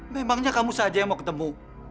memangnya kamu saja yang mau ketemu